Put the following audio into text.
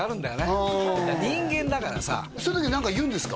あ人間だからさそういう時は何か言うんですか？